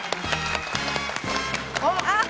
あっ。